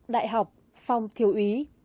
đại học phong thiếu ý